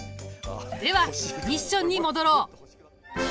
ではミッションに戻ろう！